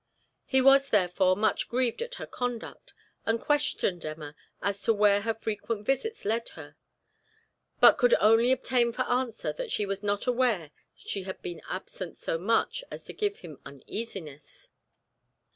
He was, therefore, much grieved at her conduct, and questioned Emma as to where her frequent visits led her, but could only obtain for answer that she was not aware she had been absent so much as to give him uneasiness.